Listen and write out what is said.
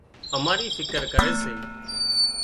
اماري فڪر ڪري سي